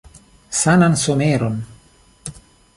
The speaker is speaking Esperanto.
Sanan someron.